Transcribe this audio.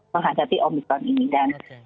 menghadapi omnipot ini dan